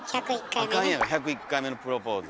あかんやん「１０１回目のプロポーズ」。